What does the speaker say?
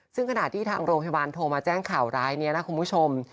ซึ่งขณะที่ทางโรงพยาบาลโทรมาแจ้งข่าวร้ายนี้นะคุณผู้ชม